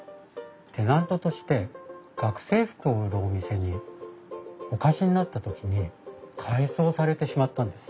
テナントとして学生服を売るお店にお貸しになった時に改装されてしまったんです。